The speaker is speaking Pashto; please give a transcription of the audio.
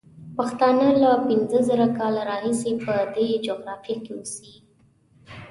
پښتانه له پینځه زره کاله راهیسې په دې جغرافیه کې اوسي.